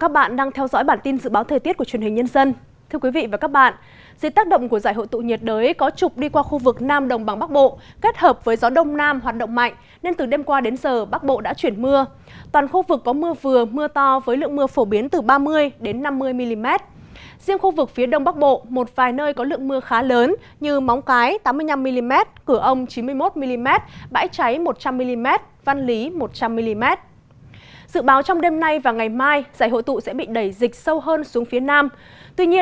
các bạn hãy đăng ký kênh để ủng hộ kênh của chúng mình nhé